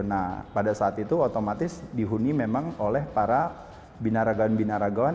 nah pada saat itu otomatis dihuni memang oleh para binaragawan binaragawan